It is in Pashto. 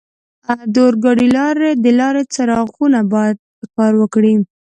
د اورګاډي د لارې څراغونه باید کار وکړي.